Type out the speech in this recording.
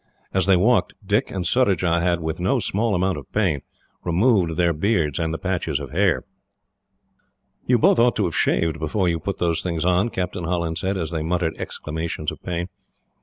As they walked, Dick and Surajah had, with no small amount of pain, removed their beards and the patches of hair. "You ought both to have shaved before you put those things on," Captain Holland said, as they muttered exclamations of pain.